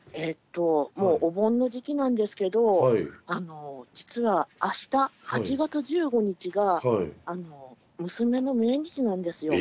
もうお盆の時期なんですけどあの実はあした８月１５日が娘の命日なんですよ。